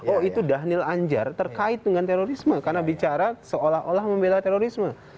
oh itu dhanil anjar terkait dengan terorisme karena bicara seolah olah membela terorisme